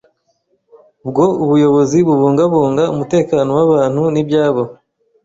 Ubwo buyobozi bubungabunga umutekano w’abantu n’ibyabo